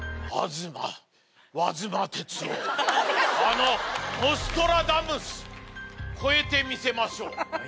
あのノストラダムス超えてみせましょう。